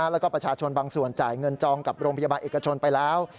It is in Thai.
แล้วก็ประชาชนบางส่วนจ่ายเงินจองกับโรงพยาบาลเอกชนไปแล้ว